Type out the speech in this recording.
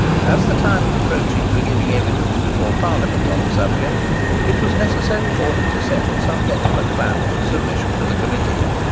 As the time was approaching for giving evidence before Parliament on the subject, it was necessary for him to settle some definite plan for submission to the committee.